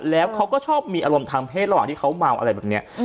แล้วเขาก็ชอบมีอารมณ์ทางเพศระหว่างที่เขาเมาอะไรแบบนี้